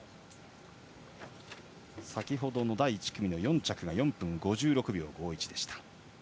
先ほどの第１組の４着が４分５６秒５１。